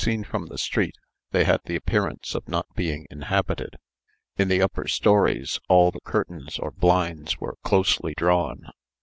Seen from the street, they had the appearance of not being inhabited. In the upper stories, all the curtains or blinds were closely drawn.